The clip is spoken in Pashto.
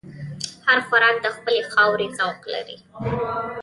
هر خوراک د خپلې خاورې ذوق لري.